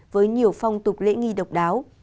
với nhiều phong tục lễ nghi độc đáo